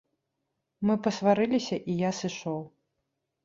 Мы пасварыліся, і я сышоў.